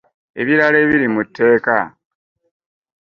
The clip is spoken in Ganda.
Ebirala ebiri mu tteeka.